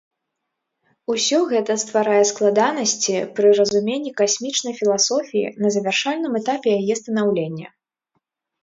Усё гэта стварае складанасці пры разуменні касмічнай філасофіі на завяршальным этапе яе станаўлення.